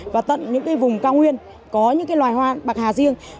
và tận những cái vùng cao nguyên có những cái loài hoa bạc hà riêng